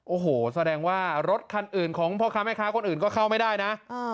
โอ้โหแสดงว่ารถคันอื่นของพ่อค้าแม่ค้าคนอื่นก็เข้าไม่ได้นะ